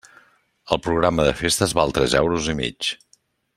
El programa de festes val tres euros i mig.